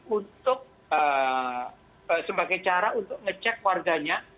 untuk sebagai cara untuk ngecek warganya